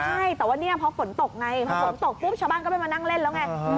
ใช่แต่ว่าเนี่ยพอฝนตกไงพอฝนตกปุ๊บชาวบ้านก็ไม่มานั่งเล่นแล้วไง